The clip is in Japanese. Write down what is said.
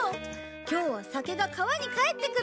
今日は酒が川に帰ってくるんだ！